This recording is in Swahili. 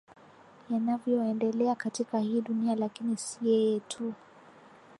yanavyoendelea katika hii dunia lakini si yeye tu